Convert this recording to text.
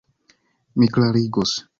Mi klarigos.